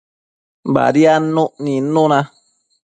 Badiadnuc nidnun na